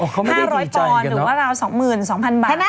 อ๋อเขาไม่ได้ดีใจกันเนอะหรือว่าลาว๒๒๐๐๐บาทธนะ